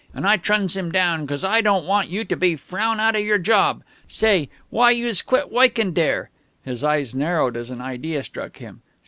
An' I truns him down 'cos I don't want you to be frown out of your job. Say, why youse quit woikin' dere?" His eyes narrowed as an idea struck him.